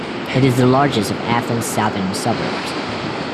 It is the largest of Athens' southern suburbs.